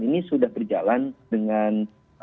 ini sudah berjalan dengan